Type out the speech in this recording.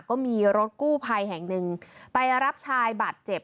ก็มีรถกู้ภัยแห่งหนึ่งไปรับชายบาดเจ็บ